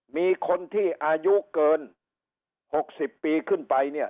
มีคนที่อายุเกิน๖๐ปีขึ้นไปเนี่ย